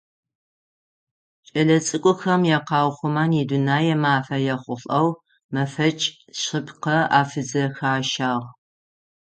Кӏэлэцӏыкӏухэм якъэухъумэн и Дунэе мафэ ехъулӏэу мэфэкӏ шъыпкъэ афызэхащагъ.